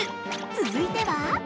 続いては？